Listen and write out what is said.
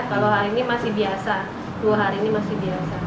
kalau hari ini masih biasa dua hari ini masih biasa